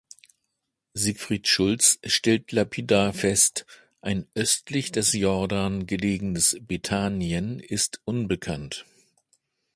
Siegfried Schulz stellt lapidar fest: „Ein östlich des Jordan gelegenes Bethanien ist unbekannt“.